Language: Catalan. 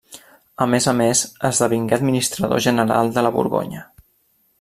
A més a més, esdevingué administrador general de la Borgonya.